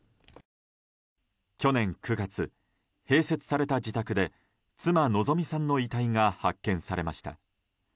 去年９月、併設された自宅で妻・希美さんの遺体が発見されました。